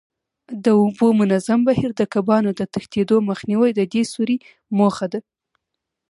د اوبو منظم بهیر، د کبانو د تښتېدو مخنیوی د دې سوري موخه ده.